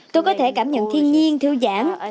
tôi có thể cảm nhận thiên nhiên thư giãn